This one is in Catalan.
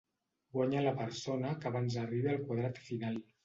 Guanya la persona que abans arribi al quadrat final.